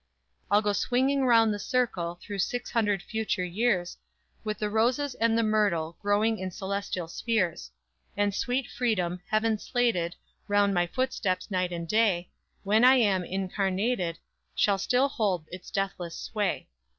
_I'll go swinging round the circle Through six hundred future years, With the roses and the myrtle Growing in celestial spheres; And sweet Freedom, heaven slated Round my footsteps, night and day, When I am incarnated Shall still hold its deathless sway!